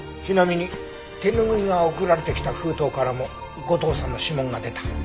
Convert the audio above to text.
ちなみに手拭いが送られてきた封筒からも後藤さんの指紋が出た。